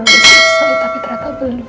udah selesai tapi ternyata belum